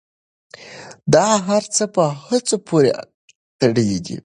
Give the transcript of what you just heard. دا هر څه په هڅو پورې تړلي دي.